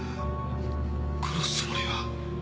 殺すつもりは。